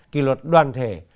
kỳ luật đoàn thể